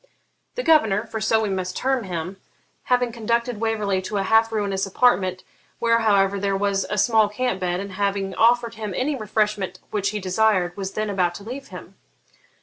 The governor, for so we must term him, having conducted Waverley to a half ruinous apartment, where, however, there was a small camp bed, and having offered him any refreshment which he desired, was then about to leave him.